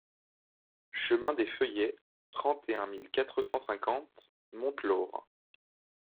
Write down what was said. Chemin des Feuillets, trente et un mille quatre cent cinquante Montlaur